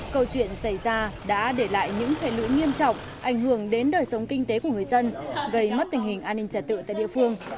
câu chuyện xảy ra đã để lại những hệ lụy nghiêm trọng ảnh hưởng đến đời sống kinh tế của người dân gây mất tình hình an ninh trả tự tại địa phương